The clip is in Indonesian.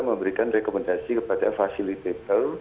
memberikan rekomendasi kepada facilitator